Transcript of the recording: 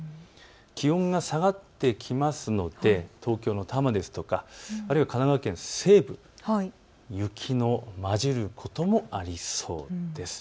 気温が下がってきますので東京の多摩ですとか、あるいは神奈川県西部、雪の交じることもありそうです。